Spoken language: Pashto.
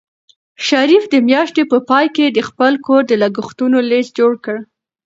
شریف د میاشتې په پای کې د خپل کور د لګښتونو لیست جوړ کړ.